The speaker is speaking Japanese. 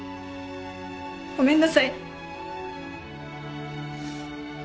ごめんなさい。